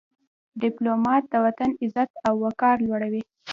ډيپلومات د وطن عزت او وقار لوړوي.